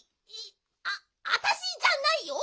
ああたしじゃないよ！